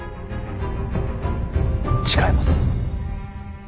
誓えます。